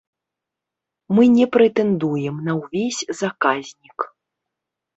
Мы не прэтэндуем на ўвесь заказнік.